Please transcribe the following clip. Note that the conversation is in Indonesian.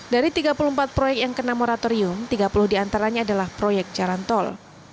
dari tiga puluh empat proyek yang kena moratorium tiga puluh diantaranya adalah proyek jalan tol